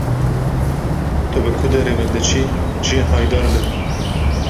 Tu bi ku derê ve diçî jê haydar be.